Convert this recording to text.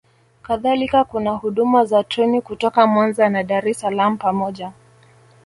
kadhalika kuna huduma za treni kutoka Mwanza na Dar es Salaam pamoja